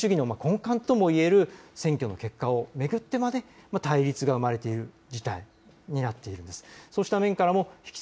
民主主義の根幹ともいえる選挙の結果を巡ってまで対立が生まれている事態になっているんです。